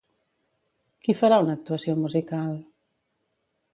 Qui farà una actuació musical?